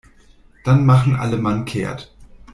Dann machen alle Mann kehrt.